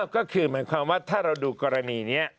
ก็คือถ้าเราดูกรณีนี้